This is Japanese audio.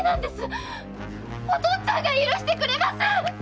〔お父っつぁんが許してくれません！〕